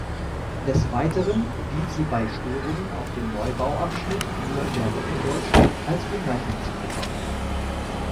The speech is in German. Des Weiteren dient sie bei Störungen auf dem Neubauabschnitt Nürnberg–Ingolstadt als Umleitungsstrecke.